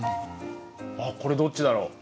あっこれどっちだろう？